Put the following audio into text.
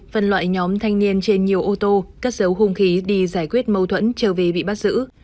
phân loại nhóm thanh niên trên nhiều ô tô cất dấu hung khí đi giải quyết mâu thuẫn trở về bị bắt giữ